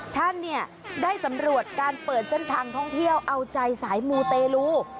ท่านเนี่ยได้สำรวจการเปิดเส้นทางท่องเที่ยวเอาใจสายมูเตลู